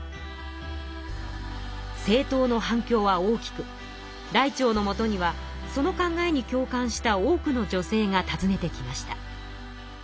「青鞜」の反きょうは大きくらいてうのもとにはその考えに共感した多くの女性がたずねてきました。